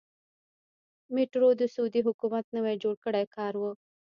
میټرو د سعودي حکومت نوی جوړ کړی کار و.